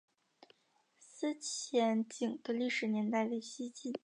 思前井的历史年代为西晋。